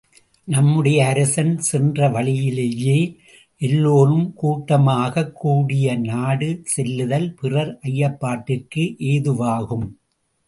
நம்முடைய அரசன் சென்ற வழியிலேயே எல்லோரும் கூட்டமாகக்கூடிய நாடு செல்லுதல், பிறர் ஐயப்படுதற்கு ஏதுவாகும்.